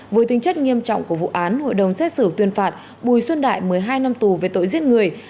với tính chất nghiêm trọng của vụ án hội đồng xét xử tuyên phạt bùi xuân đại một mươi hai năm tù về tội giết người